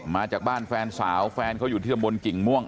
มาจากบ้านแฟนสาวแฟนเขาอยู่ที่ตำบลกิ่งม่วง